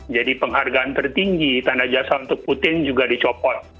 jadi penghargaan tertinggi tanda jasa untuk putin juga dicopot